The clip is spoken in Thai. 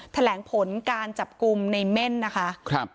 แถลงผลการจับกลุ่มในเม่นนะคะ